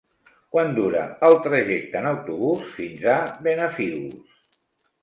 Quant dura el trajecte en autobús fins a Benafigos?